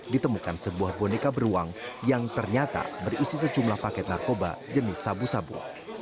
ditemukan sebuah boneka beruang yang ternyata berisi sejumlah paket narkoba jenis sabu sabu